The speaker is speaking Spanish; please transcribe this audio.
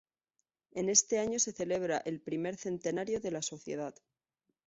En ese año se celebra el primer Centenario de la Sociedad.